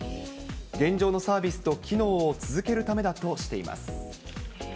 現状のサービスと機能を続けるためだとしています。